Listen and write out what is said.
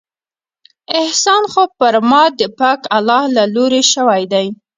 احسان خو پر ما د پاک الله له لورې شوى دى.